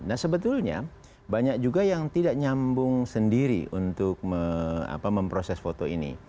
nah sebetulnya banyak juga yang tidak nyambung sendiri untuk memproses foto ini